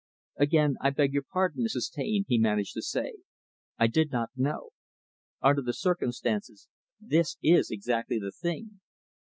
"Again, I beg your pardon, Mrs. Taine," he managed to say. "I did not know. Under the circumstances, this is exactly the thing.